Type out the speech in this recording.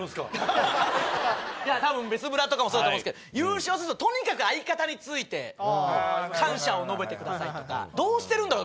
多分ビスブラとかもそうだと思うんですけど優勝するととにかく相方について。とかどうしてるんだろう？